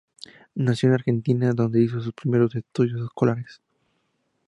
Nació en Argentina, donde hizo sus primeros estudios escolares.